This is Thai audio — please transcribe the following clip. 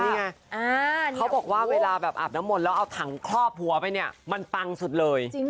นี่ไงเขาบอกว่าเวลาแบบอาบน้ำมนต์แล้วเอาถังครอบหัวไปเนี่ยมันปังสุดเลย